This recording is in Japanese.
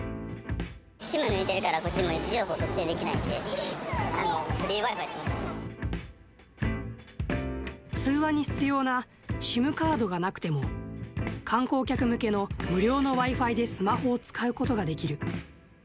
ＳＩＭ抜いてるから、こっちの位置情報特定できないし、通話に必要なＳＩＭカードがなくても、観光客向けの無料のＷｉ−Ｆｉでスマホを使うことができる。